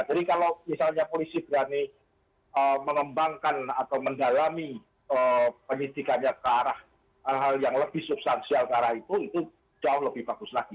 jadi kalau misalnya polisi berani mengembangkan atau mendalami penyidikannya ke arah hal hal yang lebih substansial ke arah itu itu jauh lebih bagus lagi